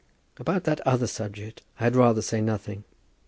About that other subject I had rather say nothing.